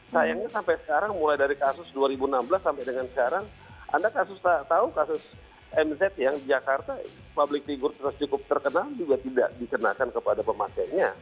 sayangnya sampai sekarang mulai dari kasus dua ribu enam belas sampai dengan sekarang anda tahu kasus mz yang di jakarta public figure terus cukup terkenal juga tidak dikenakan kepada pemakainya